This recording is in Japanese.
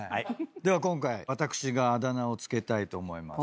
では今回私があだ名を付けたいと思います。